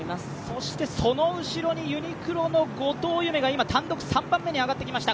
そして、その後ろにユニクロの後藤夢が単独３番目に上がってきました。